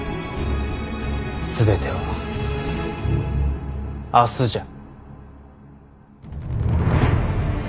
全ては明日じゃ。